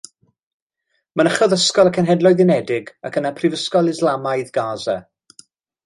Mynychodd ysgol y Cenhedloedd Unedig ac yna Prifysgol Islamaidd Gasa.